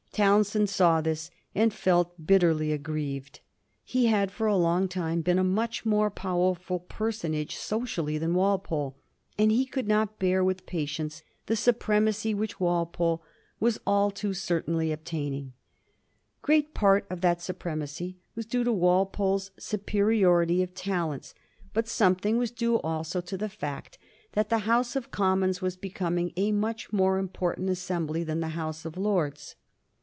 Townshend saw this, and felt bitterly aggrieved. He had for a long time been a much more powerful personage socially than Walpole, and he could not bear with patience the supremacy which Walpole was all too certainly obtaining. Great part of that supremacy was due to Walpole's superiority of talents : but something was due also Digiti zed by Google 398 A mSTORT OF THE FOUR GEORGES, ch. xi. to the fact that the House of Commons was becoming a much more unportant assembly than the House of Lords.